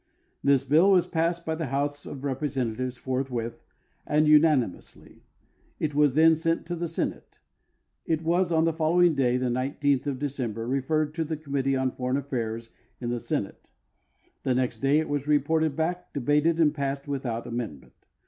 This bill was passed by the House of Representatives forthwith and unanimously ; it was then sent to the Senate. It was on the following day, the 10th of December, referred to the Committee on Foreign Relations in the Senate. The next day it was rejiorted l)ack, debated, antl passed without amendment.